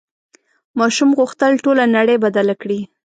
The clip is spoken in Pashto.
ماشوم غوښتل ټوله نړۍ بدله کړي.